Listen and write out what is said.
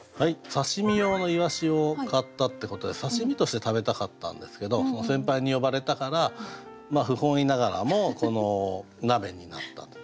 刺身用の鰯を買ったってことで刺身として食べたかったんですけど先輩に呼ばれたから不本意ながらもこの鍋になったと。